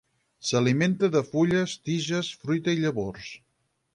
S'alimenta de fulles, tiges, fruita i llavors.